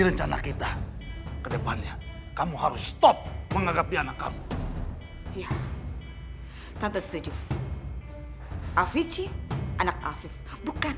rencana kita kedepannya kamu harus stop mengagapi anak kamu iya tante setuju afiq anak afif bukan